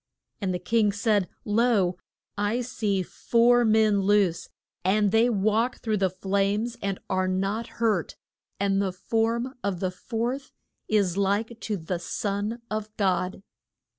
And the king said, Lo, I see four men loose, and they walk through the flames and are not hurt, and the form of the fourth is like to the son of God.